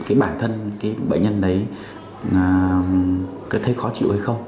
cái bản thân cái bệnh nhân đấy có thấy khó chịu hay không